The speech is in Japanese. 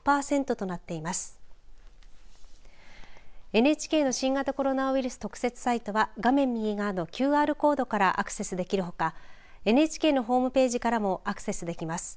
ＮＨＫの新型コロナウイルス特設サイトは画面右側のＱＲコードからアクセスできるほかＮＨＫのホームページからもアクセスできます。